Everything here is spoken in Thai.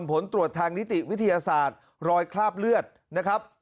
ผลตรวจทางนิติวิทยาศาสตร์รอยคราบเลือดนะครับ